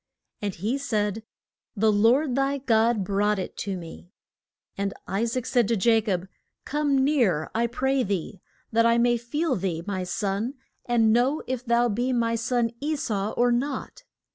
And he said, The Lord thy God brought it to me. And I saac said to Ja cob, Come near, I pray thee, that I may feel thee, my son, and know if thou be my son E sau or not.